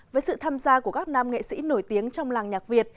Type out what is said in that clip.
với sự tham gia của các nam nghệ sĩ nổi tiếng trong làng nhạc việt